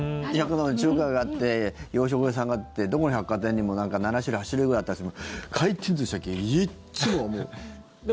中華があって洋食屋さんがあってどこの百貨店にも７種類８種類ぐらいあったりするけど回転寿司だけ、いつも。